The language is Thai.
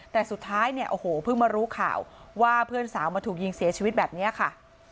แต่สุดท้ายเนี่ยโอ้โหเพิ่งมารู้ข่าวว่าเพื่อนสาวมาถูกยิงเสียชีวิตแบบนี้ค่ะ